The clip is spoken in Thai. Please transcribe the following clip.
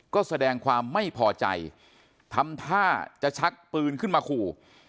ก็แสดงความไม่พอใจทำท่าจะชักปืนขึ้นมาขู่